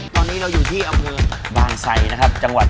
ตอนนี้เราอยู่ที่อำเภอบางไซนะครับจังหวัด